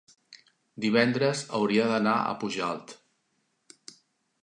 divendres hauria d'anar a Pujalt.